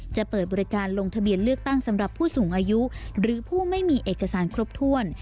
จะเปิดบริการลงทะเบียนเลือกตั้งสำหรับผู้สูงอายุหรือผู้ไม่มีเอกสารครบถ้วน